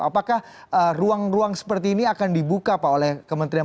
apakah ruang ruang seperti ini akan dibuka pak oleh kementerian